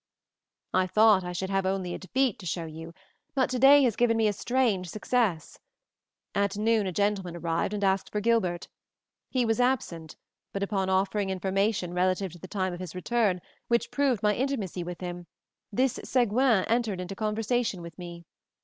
"I thought I should have only a defeat to show you, but today has given me a strange success. At noon a gentleman arrived and asked for Gilbert. He was absent, but upon offering information relative to the time of his return, which proved my intimacy with him, this Seguin entered into conversation with me.